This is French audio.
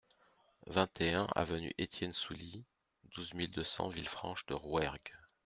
vingt et un avenue Etienne Soulie, douze mille deux cents Villefranche-de-Rouergue